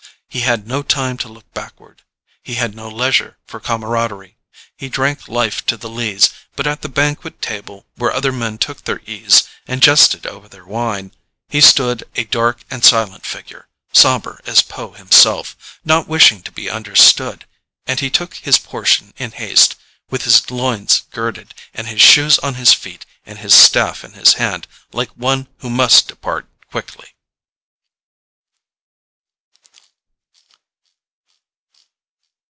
He had no time to look backward. He had no leisure for camaraderie. He drank life to the lees, but at the banquet table where other men took their ease and jested over their wine, he stood a dark and silent figure, sombre as Poe himself, not wishing to be understood; and he took his portion in haste, with his loins girded, and his shoes on his feet, and his staff in his hand, like one who must depart quickly.